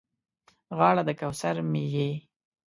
غاړه د کوثر مې یې